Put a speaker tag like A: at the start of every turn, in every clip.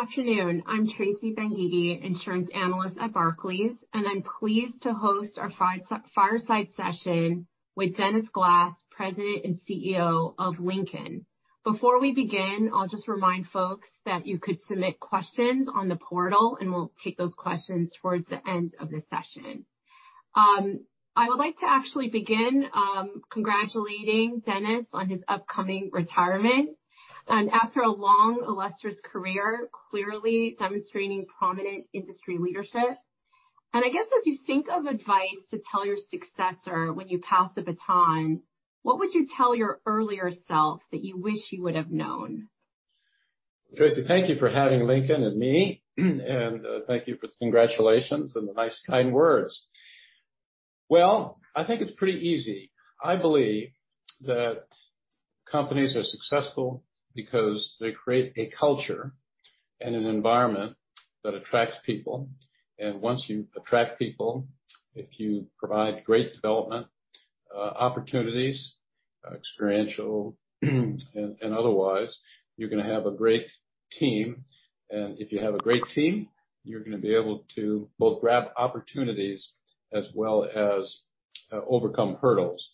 A: Good afternoon. I'm Tracy Benguigui, Insurance Analyst at Barclays, and I'm pleased to host our Fireside session with Dennis Glass, President and CEO of Lincoln. Before we begin, I'll just remind folks that you could submit questions on the portal, and we'll take those questions towards the end of the session. I would like to actually begin congratulating Dennis on his upcoming retirement, after a long, illustrious career, clearly demonstrating prominent industry leadership. I guess as you think of advice to tell your successor when you pass the baton, what would you tell your earlier self that you wish you would have known?
B: Tracy, thank you for having Lincoln and me, and thank you for the congratulations and the nice kind words. Well, I think it's pretty easy. I believe that companies are successful because they create a culture and an environment that attracts people. Once you attract people, if you provide great development opportunities, experiential and otherwise, you're going to have a great team. If you have a great team, you're going to be able to both grab opportunities as well as overcome hurdles.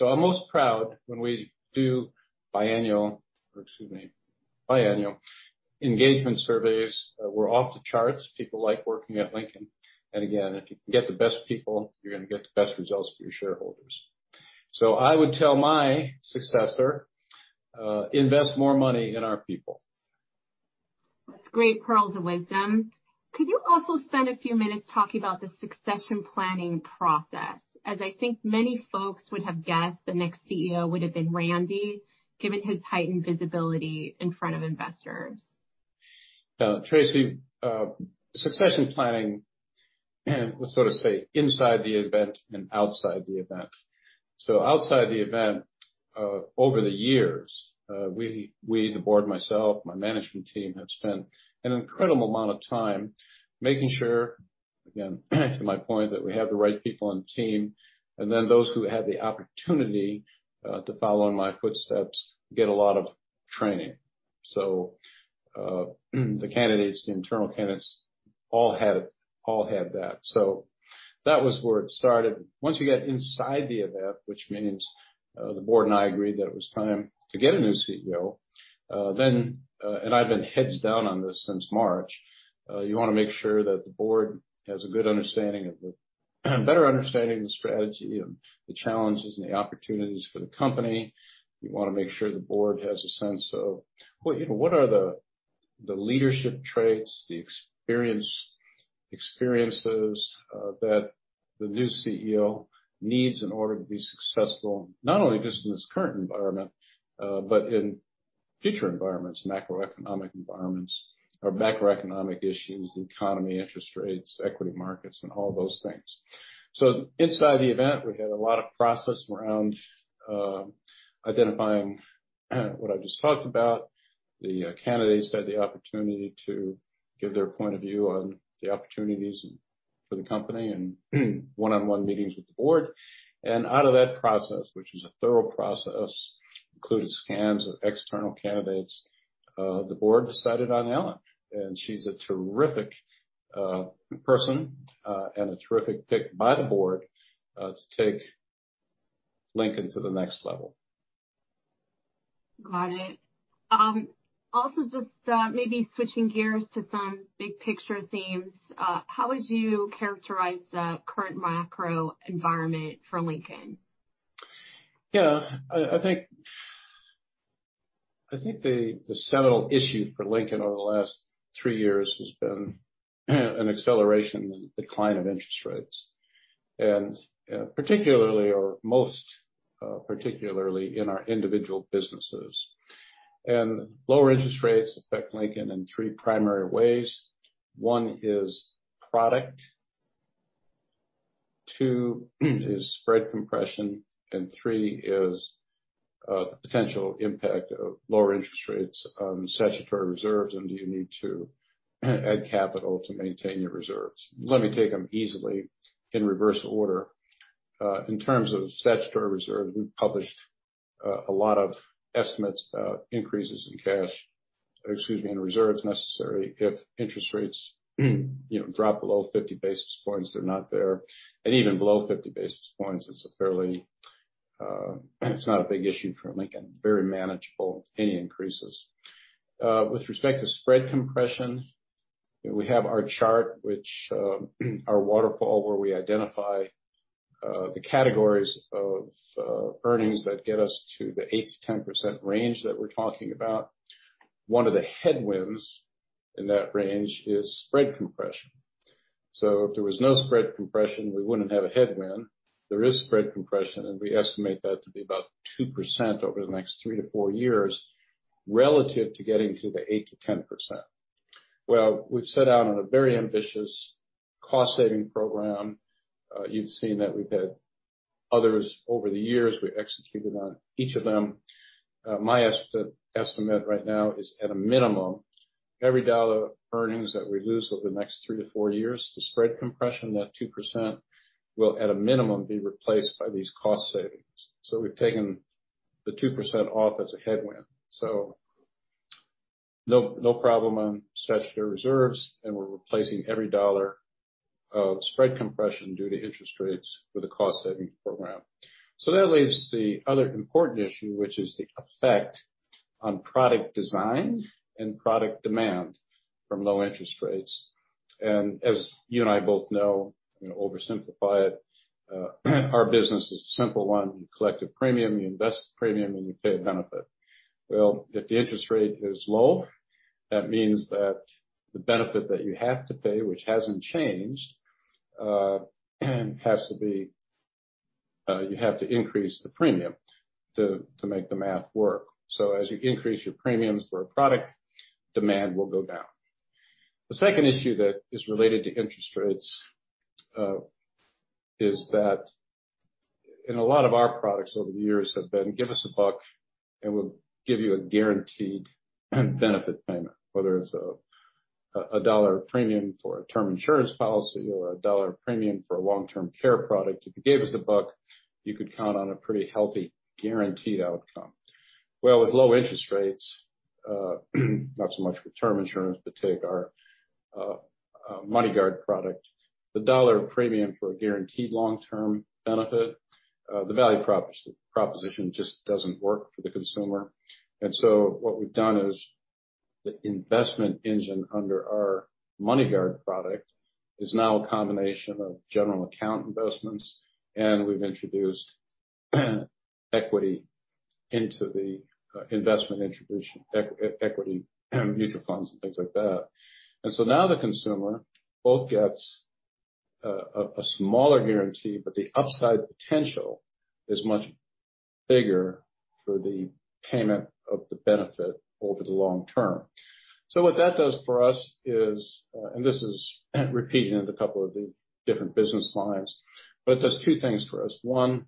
B: I'm most proud when we do biannual engagement surveys. We're off the charts. People like working at Lincoln. Again, if you can get the best people, you're going to get the best results for your shareholders. I would tell my successor, invest more money in our people.
A: That's great pearls of wisdom. Could you also spend a few minutes talking about the succession planning process? As I think many folks would have guessed, the next CEO would have been Randy, given his heightened visibility in front of investors.
B: Tracy, succession planning, we'll sort of say inside the event and outside the event. Outside the event, over the years, we the board, myself, my management team, have spent an incredible amount of time making sure, again, to my point, that we have the right people on the team, and then those who had the opportunity to follow in my footsteps get a lot of training. The internal candidates all had that. That was where it started. Once you get inside the event, which means the board and I agreed that it was time to get a new CEO, then, and I've been heads down on this since March, you want to make sure that the board has a better understanding of the strategy and the challenges and the opportunities for the company. You want to make sure the board has a sense of what are the leadership traits, the experiences that the new CEO needs in order to be successful, not only just in this current environment, but in future environments, macroeconomic environments or macroeconomic issues, the economy, interest rates, equity markets, and all those things. Inside the event, we had a lot of process around identifying what I just talked about. The candidates had the opportunity to give their point of view on the opportunities for the company and one-on-one meetings with the board. Out of that process, which was a thorough process, included scans of external candidates, the board decided on Ellen, and she's a terrific person and a terrific pick by the board to take Lincoln to the next level.
A: Got it. Just maybe switching gears to some big picture themes. How would you characterize the current macro environment for Lincoln?
B: I think the seminal issue for Lincoln over the last three years has been an acceleration in the decline of interest rates, and particularly, or most particularly in our individual businesses. Lower interest rates affect Lincoln in three primary ways. One is product, two is spread compression, and three is the potential impact of lower interest rates on statutory reserves and do you need to add capital to maintain your reserves? Let me take them easily in reverse order. In terms of statutory reserves, we published a lot of estimates about increases in cash, excuse me, in reserves necessary if interest rates drop below 50 basis points, they're not there. Even below 50 basis points, it's not a big issue for Lincoln. Very manageable, any increases. With respect to spread compression, we have our chart, which our waterfall, where we identify the categories of earnings that get us to the 8%-10% range that we're talking about. One of the headwinds in that range is spread compression. If there was no spread compression, we wouldn't have a headwind. There is spread compression, and we estimate that to be about 2% over the next 3-4 years relative to getting to the 8%-10%. We've set out on a very ambitious cost-saving program. You've seen that we've had others over the years. We executed on each of them. My estimate right now is, at a minimum, every dollar of earnings that we lose over the next 3-4 years to spread compression, that 2% will, at a minimum, be replaced by these cost savings. We've taken the 2% off is a headwind. No problem on statutory reserves, we're replacing every dollar of spread compression due to interest rates with a cost-savings program. That leaves the other important issue, which is the effect on product design and product demand from low interest rates. As you and I both know, I'm going to oversimplify it, our business is a simple one. You collect a premium, you invest the premium, and you pay a benefit. Well, if the interest rate is low, that means that the benefit that you have to pay, which hasn't changed, you have to increase the premium to make the math work. As you increase your premiums for a product, demand will go down. The second issue that is related to interest rates is that in a lot of our products over the years have been, give us a buck, and we'll give you a guaranteed benefit payment, whether it's a dollar premium for a term insurance or a dollar premium for a long-term care. If you gave us a buck, you could count on a pretty healthy guaranteed outcome. Well, with low interest rates, not so much with term insurance, but take our MoneyGuard product, the dollar premium for a guaranteed long-term benefit, the value proposition just doesn't work for the consumer. What we've done is the investment engine under our MoneyGuard product is now a combination of general account investments, and we've introduced equity into the investment introduction, equity mutual funds and things like that. Now the consumer both gets a smaller guarantee, but the upside potential is much bigger for the payment of the benefit over the long term. What that does for us is, and this is repeated in a couple of the different business lines, but it does two things for us. One,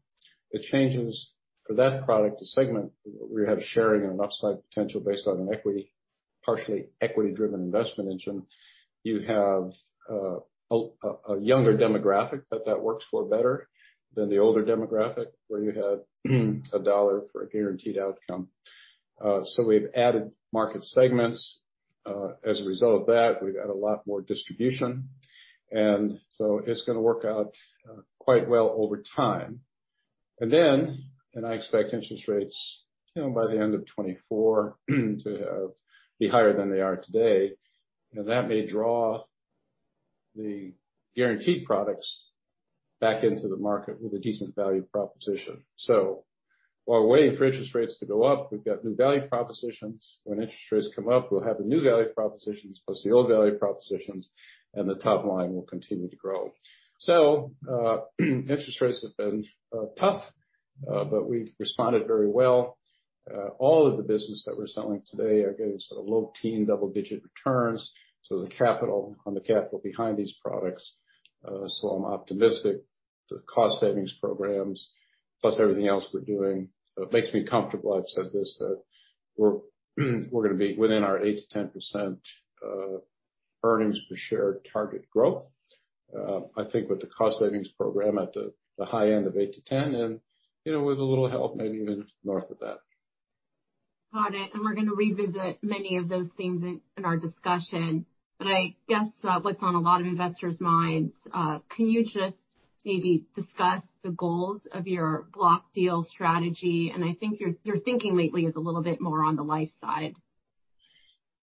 B: it changes for that product, the segment where you have sharing and upside potential based on an equity, partially equity-driven investment engine. You have a younger demographic that that works for better than the older demographic, where you had a dollar for a guaranteed outcome. We've added market segments. As a result of that, we've got a lot more distribution, it's going to work out quite well over time. I expect interest rates by the end of 2024 to be higher than they are today. That may draw the guaranteed products back into the market with a decent value proposition. While we're waiting for interest rates to go up, we've got new value propositions. When interest rates come up, we'll have the new value propositions plus the old value propositions, the top line will continue to grow. Interest rates have been tough, but we've responded very well. All of the business that we're selling today are getting sort of low-teen double-digit returns, so the capital on the capital behind these products. I'm optimistic the cost savings programs, plus everything else we're doing, makes me comfortable. I've said this, that we're going to be within our 8%-10% earnings per share target growth. I think with the cost savings program at the high end of 8 to 10, and with a little help, maybe even north of that.
A: Got it. We're going to revisit many of those themes in our discussion. I guess what's on a lot of investors' minds, can you just maybe discuss the goals of your block deal strategy? I think your thinking lately is a little bit more on the life side.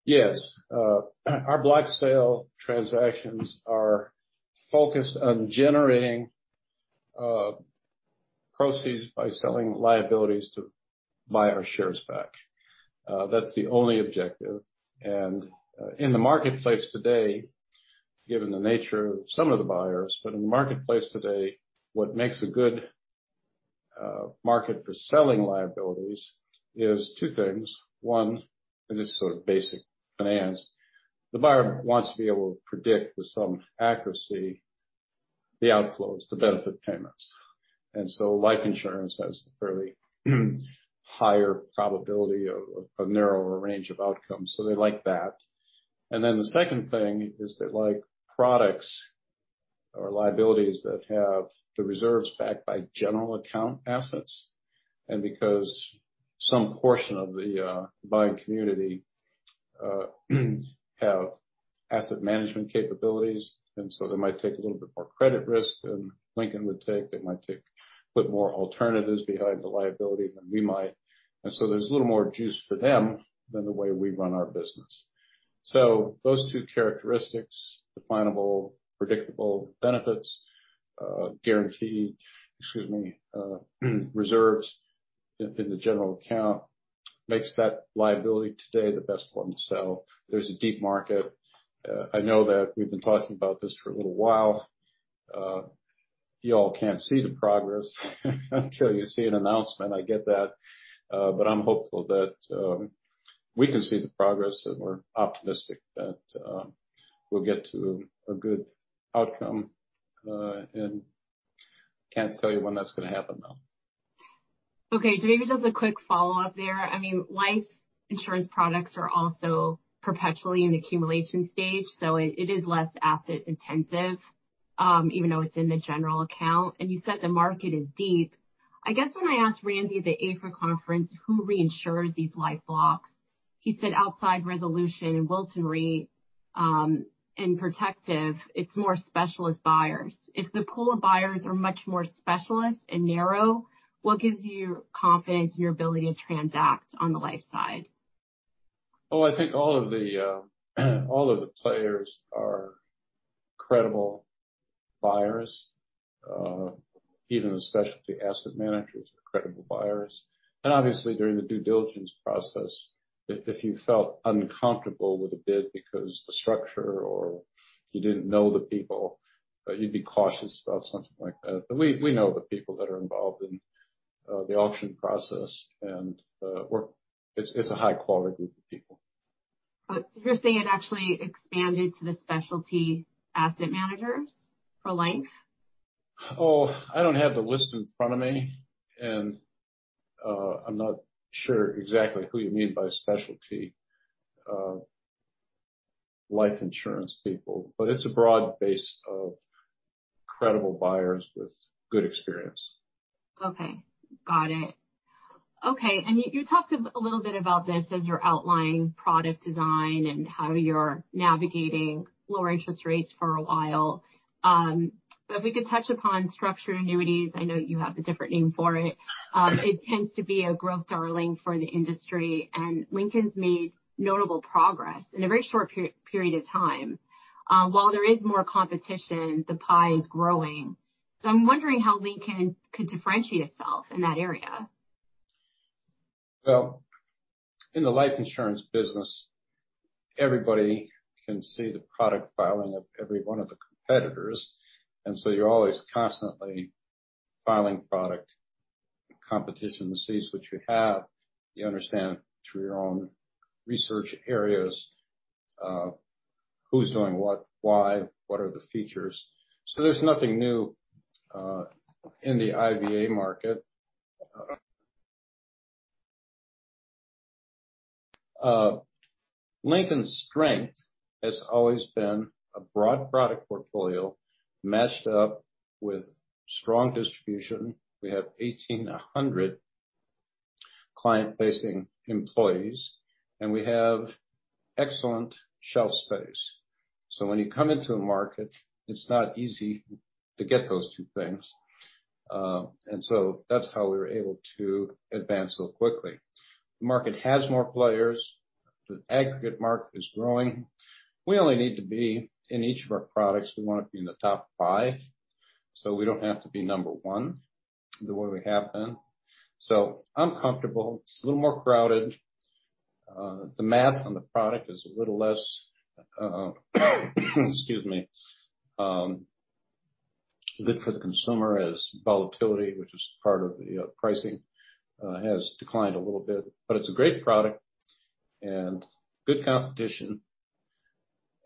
B: Yes. Our block sale transactions are focused on generating proceeds by selling liabilities to buy our shares back. That's the only objective, and in the marketplace today, given the nature of some of the buyers, but in the marketplace today, what makes a good market for selling liabilities is two things. One, and this is sort of basic finance, the buyer wants to be able to predict with some accuracy the outflows, the benefit payments. Life insurance has a fairly higher probability of a narrower range of outcomes. They like that. The second thing is they like products or liabilities that have the reserves backed by general account assets. Because some portion of the buying community have asset management capabilities, and so they might take a little bit more credit risk than Lincoln would take, they might put more alternatives behind the liability than we might. There's a little more juice for them than the way we run our business. Those two characteristics, definable, predictable benefits, guaranteed, excuse me, reserves in the general account, makes that liability today the best one to sell. There's a deep market. I know that we've been talking about this for a little while. You all can't see the progress until you see an announcement, I get that. I'm hopeful that we can see the progress, and we're optimistic that we'll get to a good outcome. Can't tell you when that's going to happen, though.
A: Okay. Maybe just a quick follow-up there. Life insurance products are also perpetually in the accumulation stage, so it is less asset intensive. Even though it's in the general account, and you said the market is deep. I guess when I asked Randy at the AFIR conference who reinsures these life blocks, he said outside Resolution and Wilton Re, and Protective, it's more specialist buyers. If the pool of buyers are much more specialist and narrow, what gives you confidence in your ability to transact on the life side?
B: Well, I think all of the players are credible buyers. Even the specialty asset managers are credible buyers. Obviously, during the due diligence process, if you felt uncomfortable with a bid because of the structure or you didn't know the people, you'd be cautious about something like that. We know the people that are involved in the auction process, and it's a high-quality group of people.
A: You're saying it actually expanded to the specialty asset managers for life?
B: Oh, I don't have the list in front of me, and I'm not sure exactly who you mean by specialty life insurance people, but it's a broad base of credible buyers with good experience.
A: Okay. Got it. Okay. You talked a little bit about this as you're outlining product design and how you're navigating lower interest rates for a while. If we could touch upon structured annuities, I know you have a different name for it. It tends to be a growth darling for the industry, and Lincoln's made notable progress in a very short period of time. While there is more competition, the pie is growing. I'm wondering how Lincoln could differentiate itself in that area.
B: In the life insurance business, everybody can see the product filing of every one of the competitors. You're always constantly filing product. Competition sees what you have. You understand through your own research areas who's doing what, why, what are the features. There's nothing new in the IVA market. Lincoln's strength has always been a broad product portfolio matched up with strong distribution. We have 1,800 client-facing employees. We have excellent shelf space. When you come into a market, it's not easy to get those two things. That's how we were able to advance so quickly. The market has more players. The aggregate market is growing. We only need to be in each of our products, we want to be in the top 5, so we don't have to be number one the way we have been. I'm comfortable. It's a little more crowded. The math on the product is a little less, excuse me, good for the consumer as volatility, which is part of the pricing, has declined a little bit. It's a great product and good competition.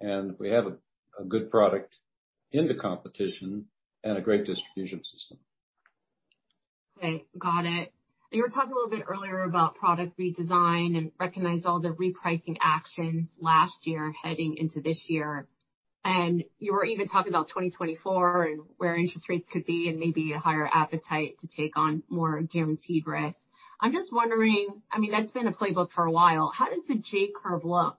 B: We have a good product in the competition and a great distribution system.
A: Okay. Got it. You were talking a little bit earlier about product redesign and recognized all the repricing actions last year heading into this year. You were even talking about 2024 and where interest rates could be and maybe a higher appetite to take on more guaranteed risk. I'm just wondering, that's been a playbook for a while. How does the J-curve look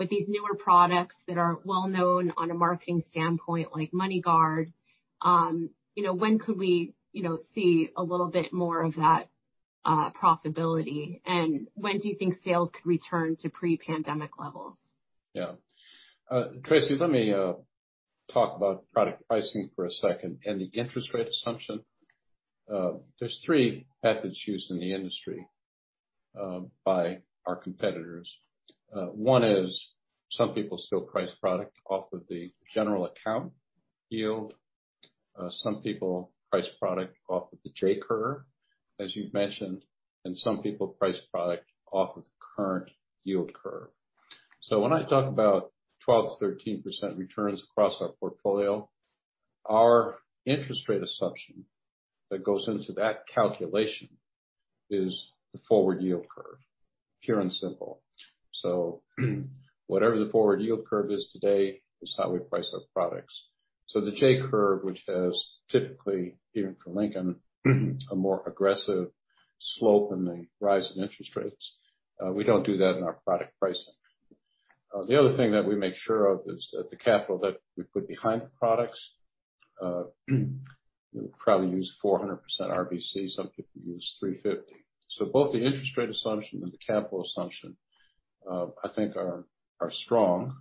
A: with these newer products that are well-known on a marketing standpoint, like MoneyGuard? When could we see a little bit more of that profitability? When do you think sales could return to pre-pandemic levels?
B: Tracy, let me talk about product pricing for a second and the interest rate assumption. There's three methods used in the industry by our competitors. One is some people still price product off of the general account yield, some people price product off of the J-curve, as you've mentioned. Some people price product off of the current yield curve. When I talk about 12%-13% returns across our portfolio, our interest rate assumption that goes into that calculation is the forward yield curve, pure and simple. Whatever the forward yield curve is today is how we price our products. The J-curve, which has typically, even for Lincoln, a more aggressive slope in the rise in interest rates, we don't do that in our product pricing. The other thing that we make sure of is that the capital that we put behind the products, we probably use 400% RBC, some people use 350%. Both the interest rate assumption and the capital assumption, I think are strong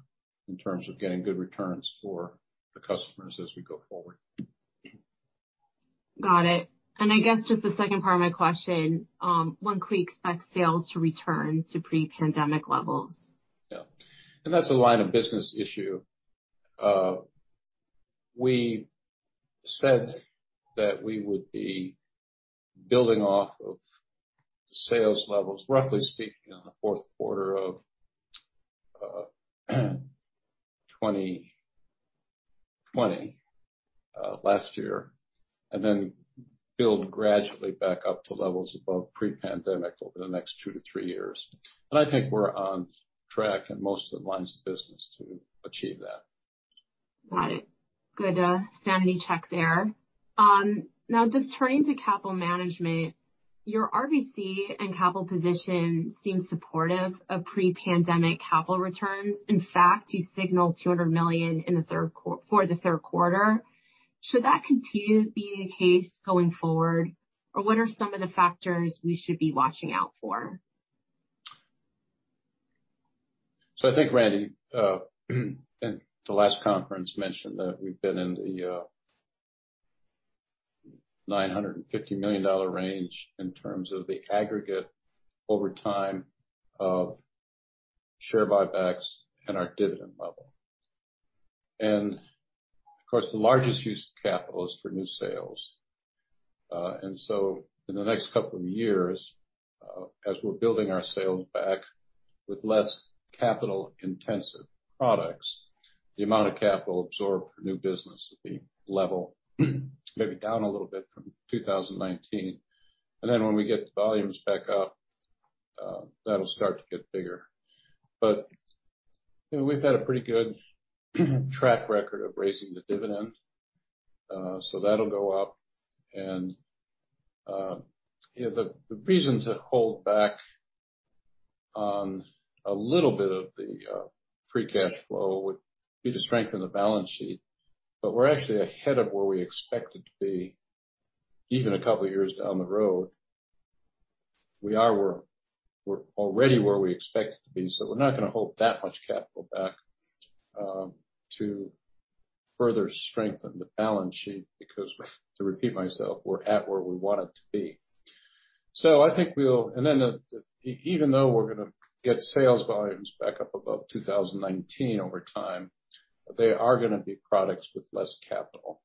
B: in terms of getting good returns for the customers as we go forward.
A: Got it. I guess just the second part of my question, when could we expect sales to return to pre-pandemic levels?
B: Yeah. That's a line of business issue. We said that we would be building off of sales levels, roughly speaking, on the fourth quarter of 2020, last year, then build gradually back up to levels above pre-pandemic over the next two to three years. I think we're on track in most of the lines of business to achieve that.
A: Got it. Good sanity check there. Now, just turning to capital management, your RBC and capital position seem supportive of pre-pandemic capital returns. In fact, you signaled $200 million for the third quarter. Should that continue being the case going forward? What are some of the factors we should be watching out for?
B: I think Randy, in the last conference, mentioned that we've been in the $950 million range in terms of the aggregate over time of share buybacks and our dividend level. Of course, the largest use of capital is for new sales. In the next couple of years, as we're building our sales back with less capital-intensive products, the amount of capital absorbed for new business will be level, maybe down a little bit from 2019. When we get the volumes back up, that'll start to get bigger. We've had a pretty good track record of raising the dividend. That'll go up and the reason to hold back on a little bit of the free cash flow would be to strengthen the balance sheet. We're actually ahead of where we expected to be even a couple of years down the road. We're already where we expected to be, so we're not going to hold that much capital back to further strengthen the balance sheet, because to repeat myself, we're at where we wanted to be. Even though we're going to get sales volumes back up above 2019 over time, they are going to be products with less capital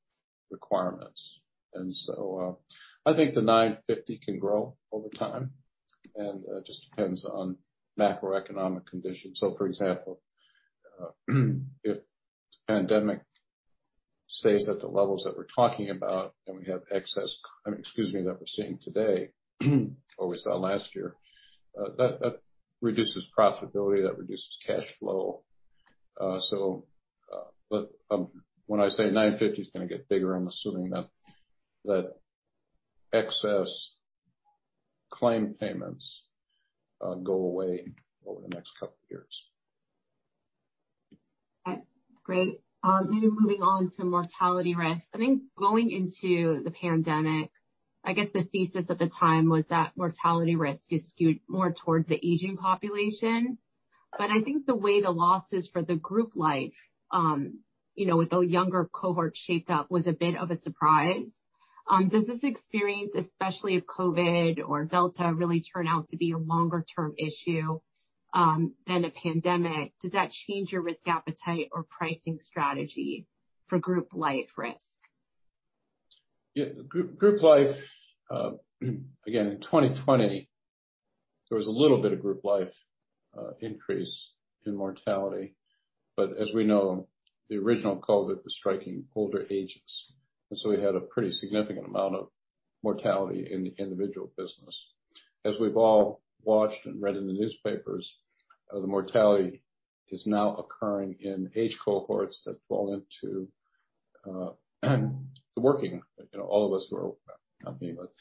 B: requirements. I think the 950 can grow over time, and it just depends on macroeconomic conditions. For example, if the pandemic stays at the levels that we're talking about, and we have excess Excuse me, that we're seeing today, or we saw last year, that reduces profitability, that reduces cash flow. When I say 950 is going to get bigger, I'm assuming that excess claim payments go away over the next couple of years.
A: Okay, great. Maybe moving on to mortality risk. I think going into the pandemic, I guess the thesis at the time was that mortality risk is skewed more towards the aging population. I think the way the losses for the group life with the younger cohort shaped up was a bit of a surprise. Does this experience, especially if COVID or Delta really turn out to be a longer-term issue than a pandemic, does that change your risk appetite or pricing strategy for group life risk?
B: Yeah. Group life, again, in 2020, there was a little bit of group life increase in mortality, as we know, the original COVID was striking older ages. We had a pretty significant amount of mortality in the individual business. As we've all watched and read in the newspapers, the mortality is now occurring in age cohorts that fall into the working, all of us who are working, not me, but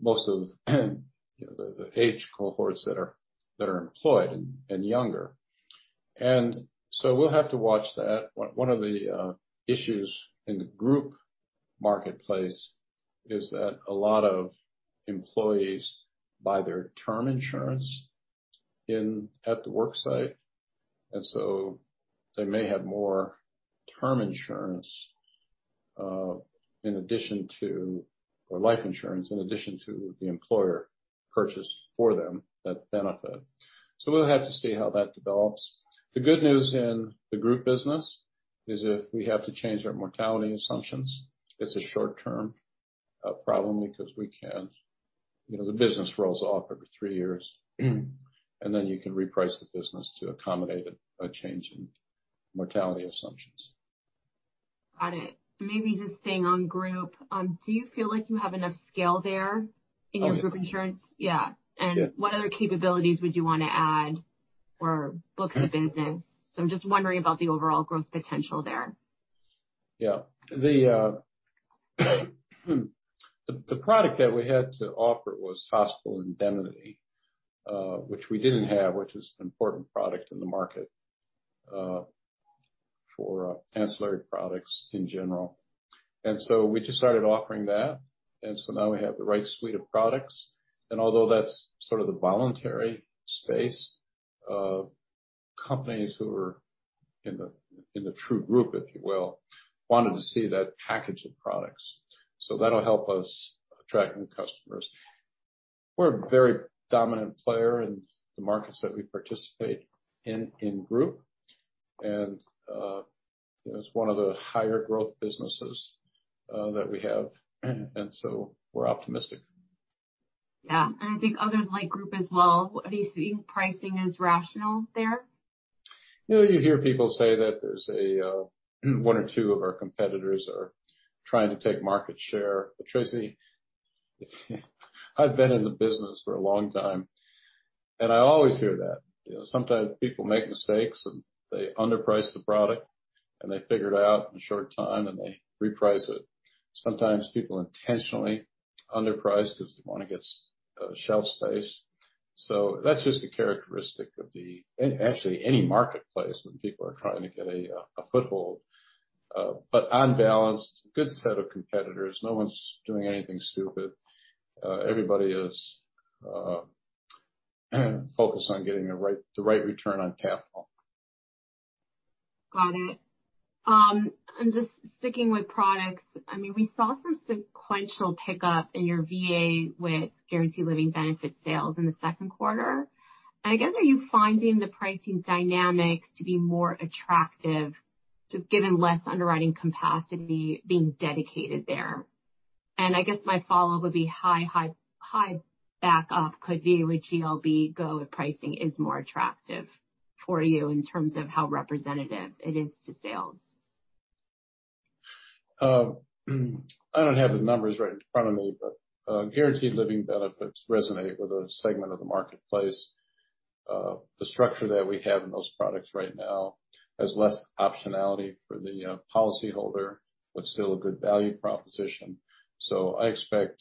B: most of the age cohorts that are employed and younger. We'll have to watch that. One of the issues in the group marketplace is that a lot of employees buy their term insurance at the work site, they may have more term insurance or life insurance in addition to the employer purchase for them, that benefit. We'll have to see how that develops. The good news in the group business is if we have to change our mortality assumptions, it's a short-term problem because the business rolls off every three years. You can reprice the business to accommodate a change in mortality assumptions.
A: Got it. Maybe just staying on group. Do you feel like you have enough scale there in your group insurance?
B: Oh, yeah.
A: Yeah.
B: Yeah.
A: What other capabilities would you want to add or books of business? I'm just wondering about the overall growth potential there.
B: Yeah. The product that we had to offer was hospital indemnity, which we didn't have, which is an important product in the market for ancillary products in general. We just started offering that. Now we have the right suite of products. Although that's sort of the voluntary space, companies who are in the true group, if you will, wanted to see that package of products. That'll help us attract new customers. We're a very dominant player in the markets that we participate in group. It's one of the higher growth businesses that we have. We're optimistic.
A: Yeah. I think others like Group as well. Are you seeing pricing as rational there?
B: You hear people say that one or two of our competitors are trying to take market share. Tracy, I've been in the business for a long time, and I always hear that. Sometimes people make mistakes, and they underprice the product, and they figure it out in a short time, and they reprice it. Sometimes people intentionally underprice because they want to get shelf space. That's just a characteristic of actually any marketplace when people are trying to get a foothold. On balance, a good set of competitors. No one's doing anything stupid. Everybody is focused on getting the right return on capital.
A: Got it. Just sticking with products. We saw some sequential pickup in your VA with guaranteed living benefit sales in the second quarter. I guess, are you finding the pricing dynamics to be more attractive, just given less underwriting capacity being dedicated there? I guess my follow would be how high back up could VA with GLB go if pricing is more attractive for you in terms of how representative it is to sales?
B: I don't have the numbers right in front of me, guaranteed living benefits resonate with a segment of the marketplace. The structure that we have in those products right now has less optionality for the policyholder but still a good value proposition. I expect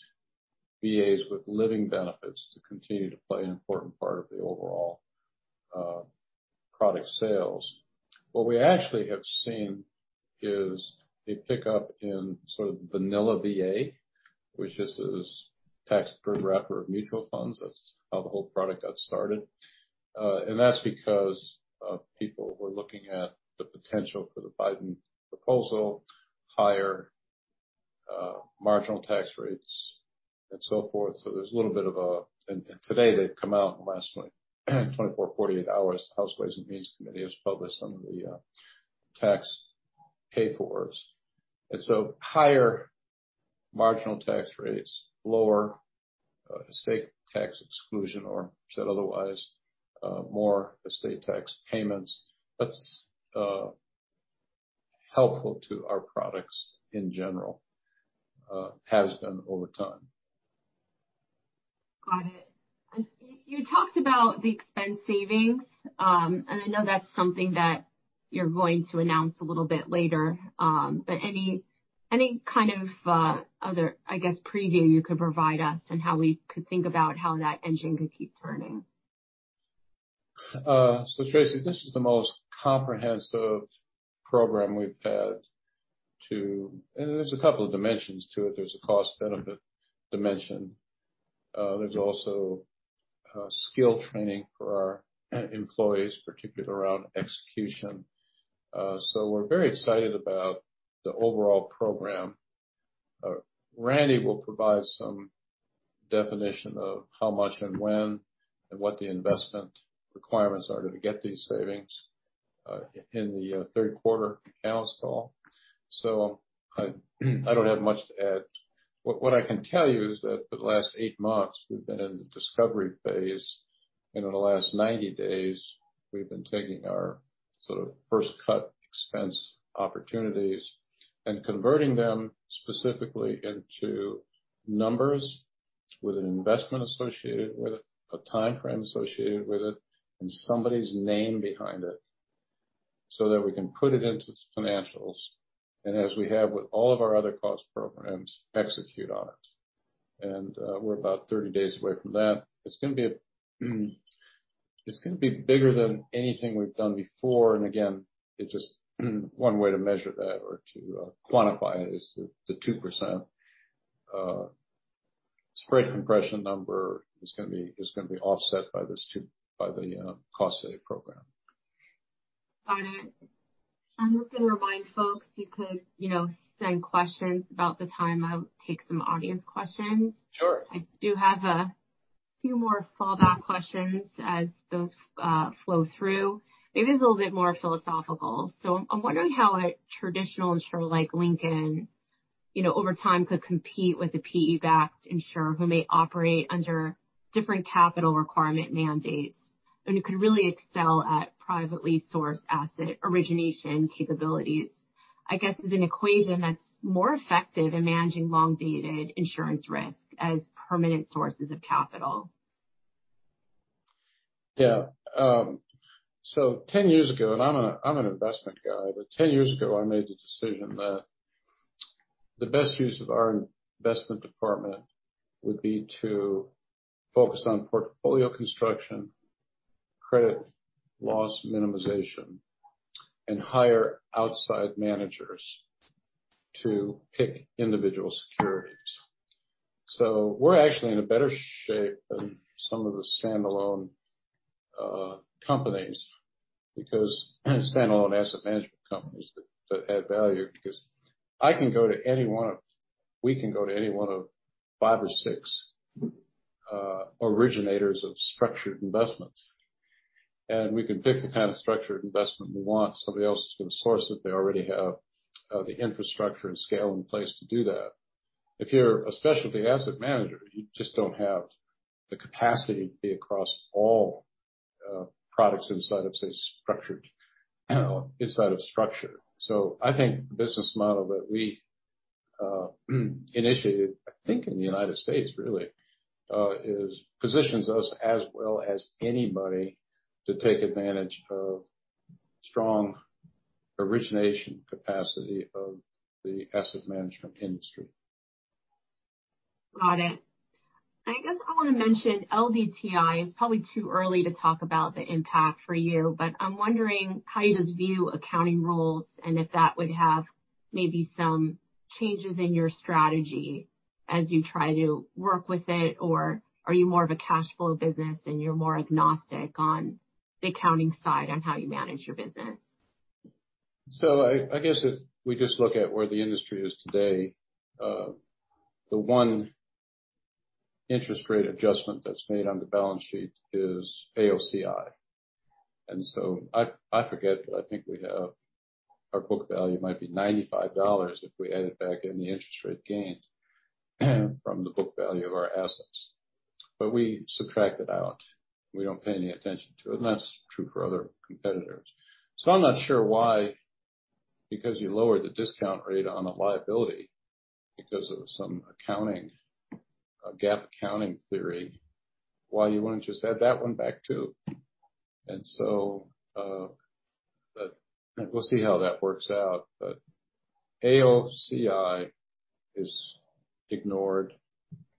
B: VAs with living benefits to continue to play an important part of the overall product sales. What we actually have seen is a pickup in sort of vanilla VA, which just is tax-preferred wrapper of mutual funds. That's how the whole product got started. That's because people were looking at the potential for the Biden proposal, higher marginal tax rates, and so forth. Today they've come out in the last 24, 48 hours, the House Ways and Means Committee has published some of the tax papers. Higher marginal tax rates, lower estate tax exclusion, or said otherwise, more estate tax payments. That's helpful to our products in general. Has been over time.
A: Got it. You talked about the expense savings. I know that's something that you're going to announce a little bit later. Any kind of other, I guess, preview you could provide us on how we could think about how that engine could keep turning?
B: Tracy, this is the most comprehensive program. There's a couple of dimensions to it. There's a cost-benefit dimension. There's also skill training for our employees, particularly around execution. We're very excited about the overall program. Randy will provide some definition of how much and when, and what the investment requirements are to get these savings, in the third quarter analyst call. I don't have much to add. What I can tell you is that for the last eight months, we've been in the discovery phase. In the last 90 days, we've been taking our sort of first-cut expense opportunities and converting them specifically into numbers with an investment associated with it, a timeframe associated with it, and somebody's name behind it, so that we can put it into financials, and as we have with all of our other cost programs, execute on it. We're about 30 days away from that. It's going to be bigger than anything we've done before. Again, it's just one way to measure that or to quantify it is the 2% spread compression number is going to be offset by the cost-saving program.
A: Got it. I'm just going to remind folks you could send questions about the time I would take some audience questions.
B: Sure.
A: I do have a few more fallback questions as those flow through. Maybe it's a little bit more philosophical. I'm wondering how a traditional insurer like Lincoln, over time, could compete with a PE-backed insurer who may operate under different capital requirement mandates and who could really excel at privately sourced asset origination capabilities. I guess as an equation that's more effective in managing long-dated insurance risk as permanent sources of capital.
B: Yeah. 10 years ago, and I'm an investment guy, but 10 years ago, I made the decision that the best use of our investment department would be to focus on portfolio construction, credit loss minimization, and hire outside managers to pick individual securities. We're actually in a better shape than some of the standalone companies because, standalone asset management companies that add value, because we can go to any one of five or six originators of structured investments. We can pick the kind of structured investment we want. Somebody else is going to source it. They already have the infrastructure and scale in place to do that. If you're a specialty asset manager, you just don't have the capacity to be across all products inside of, say, structured. I think the business model that we initiated, I think in the U.S. really, positions us as well as anybody to take advantage of strong origination capacity of the asset management industry.
A: Got it. I guess I want to mention LDTI. It's probably too early to talk about the impact for you, I'm wondering how you guys view accounting rules and if that would have maybe some changes in your strategy as you try to work with it, or are you more of a cash flow business and you're more agnostic on the accounting side on how you manage your business?
B: I guess if we just look at where the industry is today, the one interest rate adjustment that's made on the balance sheet is AOCI. I forget, I think our book value might be $95 if we added back in the interest rate gains from the book value of our assets. We subtract it out, we don't pay any attention to it, and that's true for other competitors. I'm not sure why, because you lowered the discount rate on a liability because of some GAAP accounting theory, why you wouldn't just add that one back too. We'll see how that works out. AOCI is ignored.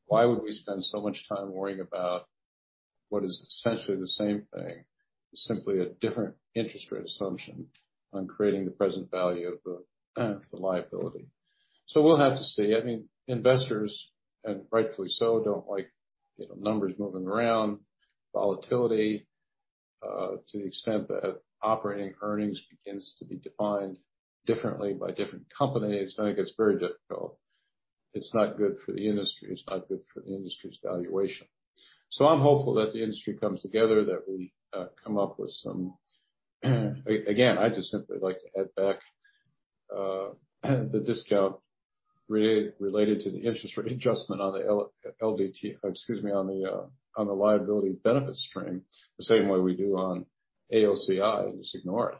B: Why would we spend so much time worrying about what is essentially the same thing, simply a different interest rate assumption on creating the present value of the liability? We'll have to see. Investors, and rightfully so, don't like numbers moving around, volatility. To the extent that operating earnings begins to be defined differently by different companies, then it gets very difficult. It's not good for the industry. It's not good for the industry's valuation. I'm hopeful that the industry comes together, that we come up with some Again, I'd just simply like to add back the discount related to the interest rate adjustment on the liability benefit stream, the same way we do on AOCI and just ignore it.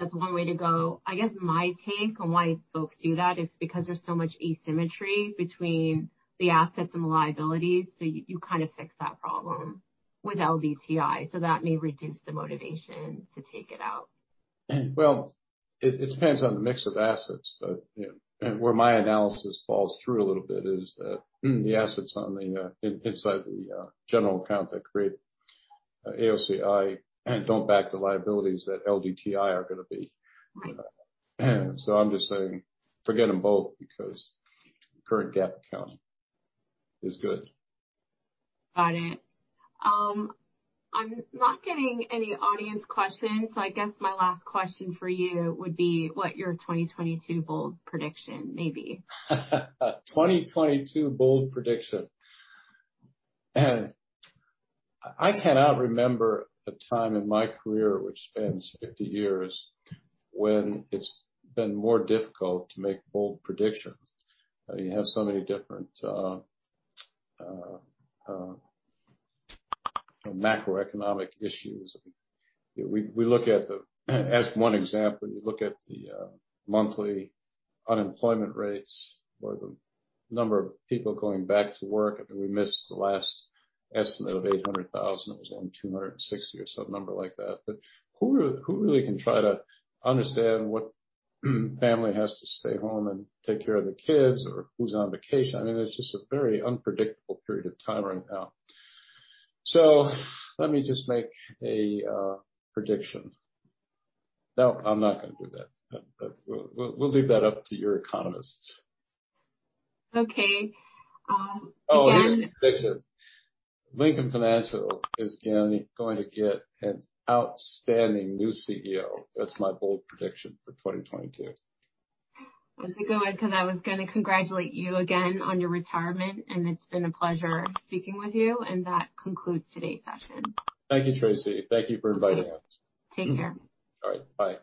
A: That's one way to go. I guess my take on why folks do that is because there's so much asymmetry between the assets and the liabilities. You kind of fix that problem with LDTI, so that may reduce the motivation to take it out.
B: Well, it depends on the mix of assets. Where my analysis falls through a little bit is that the assets inside the general account that create AOCI don't back the liabilities that LDTI are going to be. I'm just saying forget them both because current GAAP accounting is good.
A: Got it. I'm not getting any audience questions. I guess my last question for you would be what your 2022 bold prediction may be.
B: 2022 bold prediction. I cannot remember a time in my career, which spans 50 years, when it's been more difficult to make bold predictions. You have so many different macroeconomic issues. As one example, you look at the monthly unemployment rates or the number of people going back to work, we missed the last estimate of 800,000. It was only 260 or some number like that. Who really can try to understand what family has to stay home and take care of the kids or who's on vacation? It's just a very unpredictable period of time right now. Let me just make a prediction. No, I'm not going to do that. We'll leave that up to your economists.
A: Okay.
B: Oh, prediction. Lincoln Financial is going to get an outstanding new CEO. That is my bold prediction for 2022.
A: I'm thinking because I was going to congratulate you again on your retirement, it has been a pleasure speaking with you. That concludes today's session.
B: Thank you, Tracy. Thank you for inviting me.
A: Take care.
B: All right. Bye.